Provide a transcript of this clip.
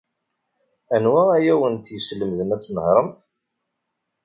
Anwa ay awent-yeslemden ad tnehṛemt.